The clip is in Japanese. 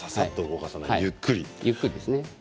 ゆっくりですね。